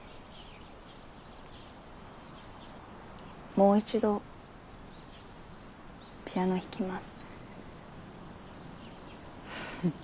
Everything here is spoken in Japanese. もう一度ピアノ弾きます。